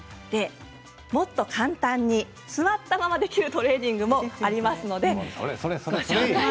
もっと簡単に座ったままできるトレーニングもあります。